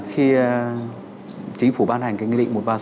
khi chính phủ ban hành cái nghị định một trăm ba mươi sáu